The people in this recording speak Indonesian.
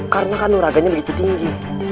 karena kanuraganya begitu tinggi